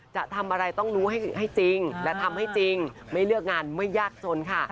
จะทำอะไรต้องรู้ให้จริงและทำให้จริงไม่เลือกงานไม่ยากจนค่ะ